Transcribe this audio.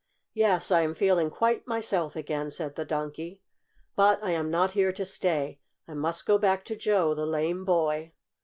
"Yes, I am feeling quite myself again," said the Donkey. "But I am not here to stay. I must go back to Joe, the lame boy."